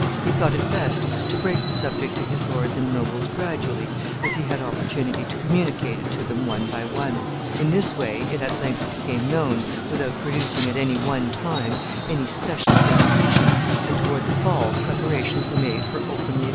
He thought it best to break the subject to his lords and nobles gradually, as he had opportunity to communicate it to them one by one. In this way it at length became known, without producing, at any one time, any special sensation, and toward the fall preparations were made for openly acknowledging the union.